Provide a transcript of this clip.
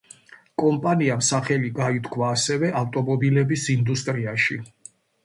კომპანიამ სახელი გაითქვა ასევე ავტომობილების ინდუსტრიაში.